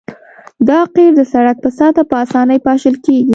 دا قیر د سرک په سطحه په اسانۍ پاشل کیږي